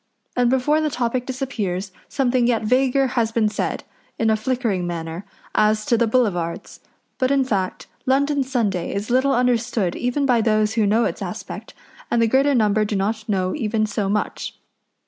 and before the topic disappears something yet vaguer has been said, in a flickering manner, as to the Boulevards. But in fact London Sunday is little understood even by those who know its aspect, and the greater number do not know even so much.